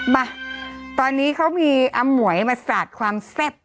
มาตอนนี้เขามีอมวยมาสาดความแซ่บ